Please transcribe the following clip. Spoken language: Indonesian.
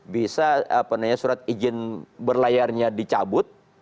bisa surat izin berlayarnya dicabut